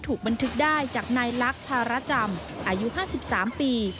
ถูกบันทึกได้จากนายลักษณ์ภาระจำอายุ๕๓ปี